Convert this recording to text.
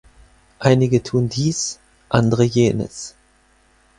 Einige tun dies, andere jenes.